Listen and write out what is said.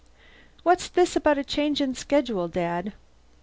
"What's this about a change in schedule, Dad?"